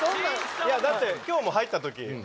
だって今日も入った時。